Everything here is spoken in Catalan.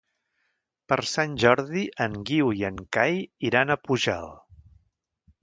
Per Sant Jordi en Guiu i en Cai iran a Pujalt.